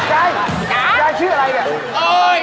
ยายยายชื่ออะไรเนี่ย